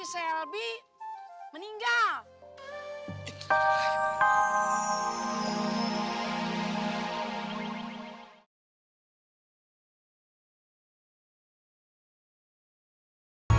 ya si selby meninggal